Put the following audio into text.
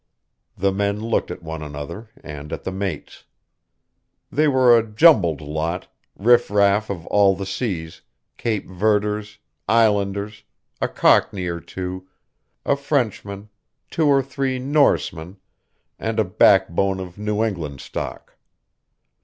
The men looked at one another, and at the mates. They were a jumbled lot, riff raff of all the seas, Cape Verders, Islanders, a Cockney or two, a Frenchman, two or three Norsemen, and a backbone of New England stock.